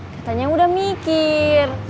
katanya udah mikir